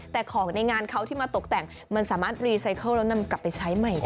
แต่ของในงานเขาที่มาตกแต่งมันสามารถรีไซเคิลแล้วนำกลับไปใช้ใหม่ได้